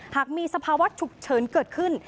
หากมีสภาวะฉุกเฉินเกิดขึ้น